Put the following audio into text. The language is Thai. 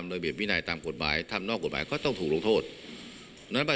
เมื่อมาตรการนี้